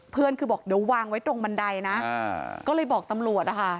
เพื่อนคือบอกเดี๋ยววางไว้ตรงบันไดนะก็เลยบอกตำรวจนะคะ